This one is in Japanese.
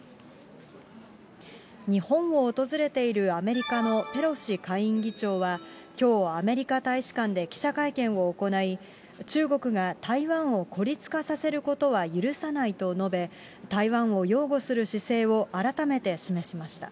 日本を訪れているアメリカのペロシ下院議長は、きょう、アメリカ大使館で記者会見を行い、中国が台湾を孤立化させることは許さないと述べ、台湾を擁護する姿勢を改めて示しました。